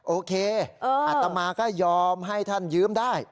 โอเคอัตมาก็ยอมให้ท่านยืมได้